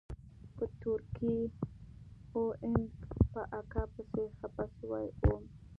په تورکي او ان په اکا پسې خپه سوى وم.